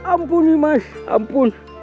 ampuni mas ampun